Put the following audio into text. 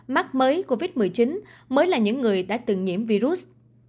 mắc mới covid một mươi chín mới là những người đã từng nhiễm virus